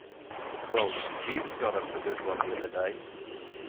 Well, Jeeves got off a good one the other day.